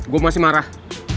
gue masih marah